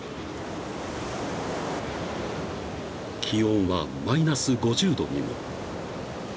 ［気温はマイナス５０度にも］